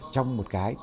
trong một cái